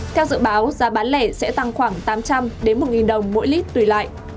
theo dự báo giá bán lẻ sẽ tăng khoảng tám trăm linh một đồng mỗi lít tùy lại